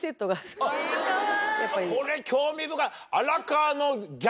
これ興味深い。